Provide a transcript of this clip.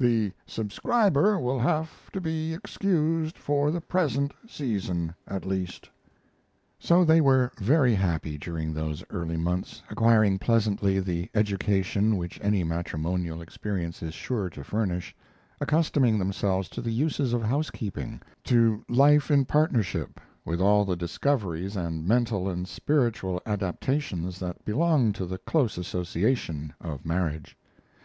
The subscriber will have to be excused for the present season at least. So they were very happy during those early months, acquiring pleasantly the education which any matrimonial experience is sure to furnish, accustoming themselves to the uses of housekeeping, to life in partnership, with all the discoveries and mental and spiritual adaptations that belong to the close association of marriage.